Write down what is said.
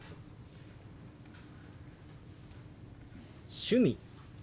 「趣味」。